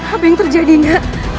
apa yang terjadi enggak